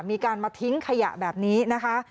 มีการมาทิ้งขยะแบบนี้นะคะ